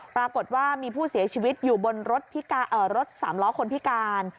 ปรากฏว่ามีผู้เสียชีวิตอยู่บนรถสามล้อคนพิการ